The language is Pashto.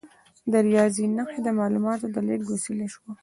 د ریاضي نښې د معلوماتو د لیږد وسیله شوه.